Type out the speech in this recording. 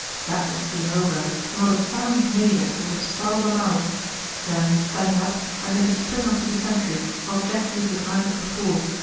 "That was soon over, and not a sound made as would have startled a mouse. Then, standing up, I made a spring on to the sentry, while Jack used his knife as before.